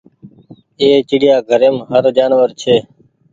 اي چڙيا گهريم هر جآنور ڇي۔